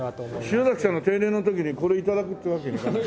塩崎さんの定年の時にこれを頂くっていうわけにはいかない？